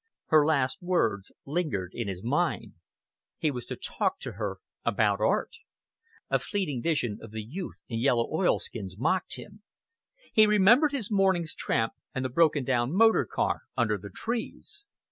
Her last words lingered in his mind. He was to talk to her about art! A fleeting vision of the youth in the yellow oilskins mocked him. He remembered his morning's tramp and the broken down motor car under the trees.